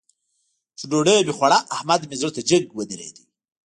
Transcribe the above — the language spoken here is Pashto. چې ډوډۍ مې خوړه؛ احمد مې زړه ته جګ ودرېد.